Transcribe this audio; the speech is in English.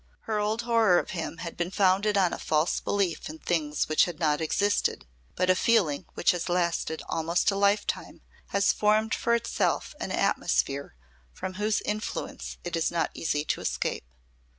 Her old horror of him had been founded on a false belief in things which had not existed, but a feeling which has lasted almost a lifetime has formed for itself an atmosphere from whose influence it is not easy to escape.